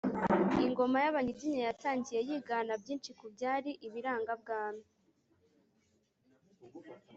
ingoma yabanyiginya yatangiye yigana byinshi mu byari ibirangabwami